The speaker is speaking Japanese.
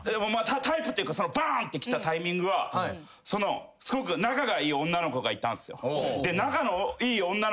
タイプっていうかバン！ってきたタイミングはすごく仲がいい女の子がいたんすよ。